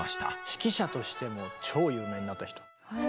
指揮者としても超有名になった人。